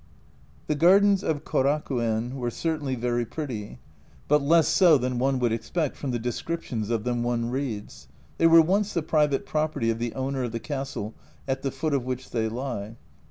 The gardens of Koraku en were certainly very A Journal from Japan 39 pretty, but less so than one would expect from the descriptions of them one reads. They were once the private property of the owner of the castle at the foot of which they lie.